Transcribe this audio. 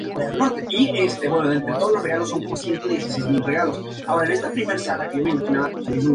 Baker la película "Buen Muchacho!".